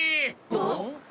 あっ。